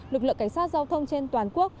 lực lượng cảnh sát giao thông trên toàn quốc